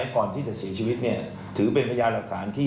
ก่อนที่จะเสียชีวิตถือเป็นพยายามหลักฐาน